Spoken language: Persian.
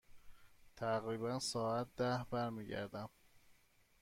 تقریبا ساعت ده برمی گردم.